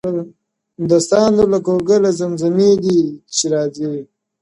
د ساندو له کوګله زمزمې دي چي راځي!